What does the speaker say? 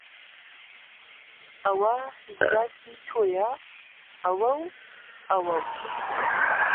ئەوە هیی کراسی تۆیە! ئەوە و ئەوە و